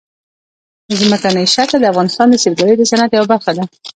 ځمکنی شکل د افغانستان د سیلګرۍ د صنعت یوه برخه ده.